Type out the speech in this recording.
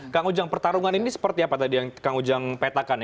kang ujang pertarungan ini seperti apa tadi yang kang ujang petakan ya